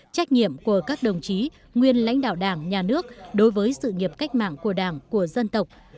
trách nhiệm của các đồng chí nguyên lãnh đạo đảng nhà nước đối với sự nghiệp cách mạng của đảng của dân tộc